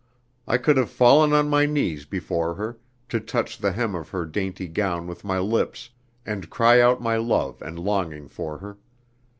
I could have fallen on my knees before her, to touch the hem of her dainty gown with my lips, and cry out my love and longing for her.